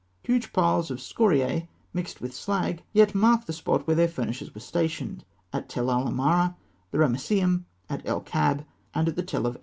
Huge piles of scoriae mixed with slag yet mark the spot where their furnaces were stationed at Tell el Amarna, the Ramesseum, at El Kab, and at the Tell of Eshmûneyn.